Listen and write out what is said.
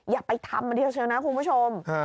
อย่าไปทำเฉยนะคุณผู้ชม